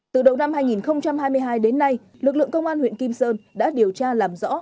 từ đầu năm hai nghìn hai mươi hai đến nay lực lượng công an huyện kim sơn đã điều tra làm rõ